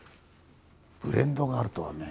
ブレンドがあるとはね。